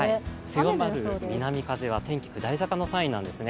強まる南風は天気下り坂のサインなんですね。